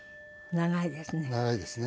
長いですね。